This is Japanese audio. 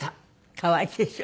可愛いでしょ？